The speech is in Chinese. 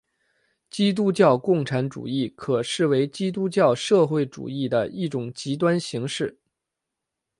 基督教共产主义可视为基督教社会主义的一种极端形式。